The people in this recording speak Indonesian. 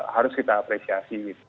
harus kita apresiasi